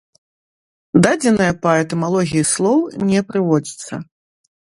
Дадзеныя па этымалогіі слоў не прыводзяцца.